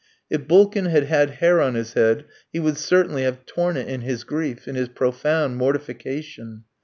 If Bulkin had had hair on his head, he would certainly have torn it in his grief, in his profound mortification.